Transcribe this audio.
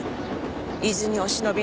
伊豆にお忍び